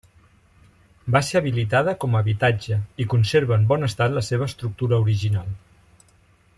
Va ser habilitada com a habitatge i conserva en bon estat la seva estructura original.